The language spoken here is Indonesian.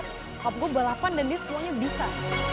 kalau gue balapan dan dia semuanya bisa